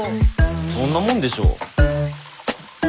そんなもんでしょ。